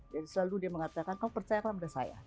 jadi selalu dia mengatakan kamu percaya kan pada saya